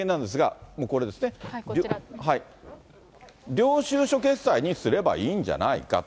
領収書決済にすればいいんじゃないかと。